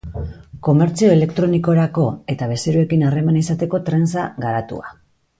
Komertzio elektronikorako eta bezeroekin harremana izateko trenza garatua.